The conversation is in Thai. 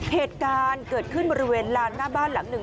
เหตุการณ์เกิดขึ้นบริเวณลานหน้าบ้านหลังหนึ่ง